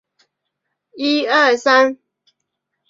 海斯县位美国德克萨斯州中南部的一个县。